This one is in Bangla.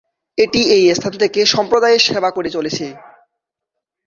এটি এই স্থান থেকে সম্প্রদায়ের সেবা করে চলেছে।